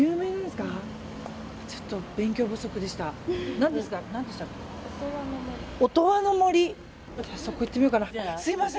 すみません。